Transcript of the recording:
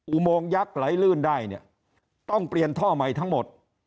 อุโมงยักษ์ไหลลื่นได้เนี่ยต้องเปลี่ยนท่อใหม่ทั้งหมด